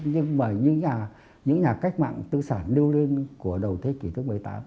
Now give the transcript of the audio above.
nhưng mà những nhà những nhà cách mạng tư sản lưu linh của đầu thế kỷ thứ một mươi tám